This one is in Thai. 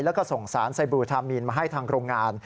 แล้วก็ส่งสารไซบลูทามีนมาให้ทางโรงงาน